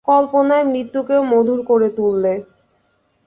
কল্পনায় মৃত্যুকেও মধুর করে তুললে।